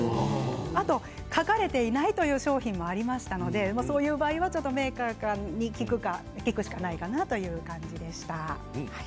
あと書かれていないという商品もありましたので、そういう場合はメーカーに聞くしかないかなという感じでした。